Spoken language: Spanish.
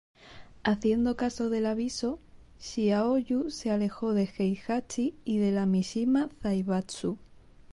Haciendo caso del aviso, Xiaoyu se alejó de Heihachi y de la Mishima Zaibatsu.